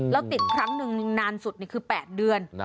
แล้วติดครั้งหนึ่งนานสุดคือ๘เดือน